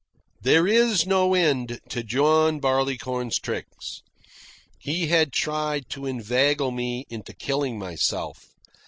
There is no end to John Barleycorn's tricks. He had tried to inveigle me into killing myself.